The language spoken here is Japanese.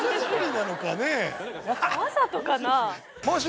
わざとかな？